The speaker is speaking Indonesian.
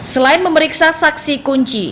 selain memeriksa saksi kunci